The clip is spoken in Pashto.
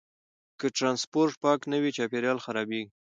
که ټرانسپورټ پاک نه وي، چاپیریال خرابېږي.